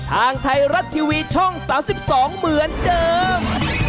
ทางไทยรัฐทีวีช่อง๓๒เหมือนเดิม